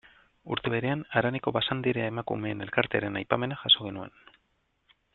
Urte berean, haraneko Basanderea emakumeen elkartearen aipamena jaso genuen.